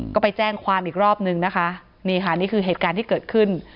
ก็ไปแจ้งความอีกรอบนึงนะคะนี่ค่ะนี่คือเหตุการณ์ที่เกิดขึ้น